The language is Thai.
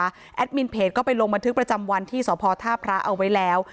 แอดมินเพจก็ไปลงบันทึกประจำวันที่สพท่าพระเอาไว้แล้ว